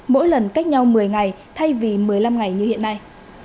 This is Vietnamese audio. mỗi lần cách nhau một mươi ngày thay vì một mươi năm ngày như hiện nay